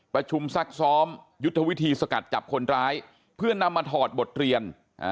ซักซ้อมยุทธวิธีสกัดจับคนร้ายเพื่อนำมาถอดบทเรียน